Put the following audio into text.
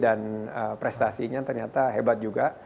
dan tv dan prestasinya ternyata hebat juga